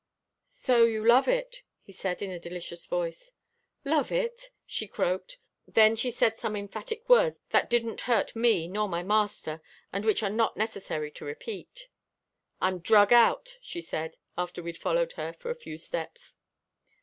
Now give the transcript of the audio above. "So you love it," he said in a delicious voice. "Love it," she croaked, then she said some emphatic words that didn't hurt me nor my master, and which are not necessary to repeat. "I'm drug out," she said, after we'd followed her for a few steps.